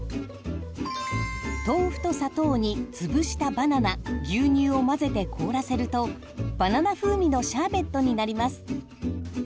豆腐と砂糖につぶしたバナナ牛乳を混ぜて凍らせるとバナナ風味のシャーベットになります。